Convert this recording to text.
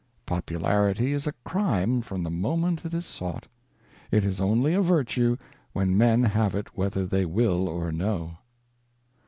' Popularity is a Crime from the Moment it is sought ; it is only a Virtue where Men have it whether they will or no.'